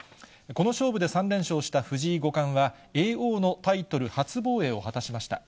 この勝負で３連勝した藤井五冠は、叡王のタイトル初防衛を果たしました。